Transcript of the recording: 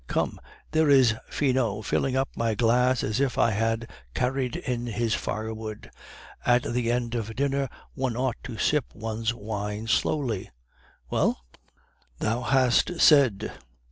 Come, there is Finot filling up my glass as if I had carried in his firewood. At the end of dinner one ought to sip one's wine slowly, Well?" "Thou has said.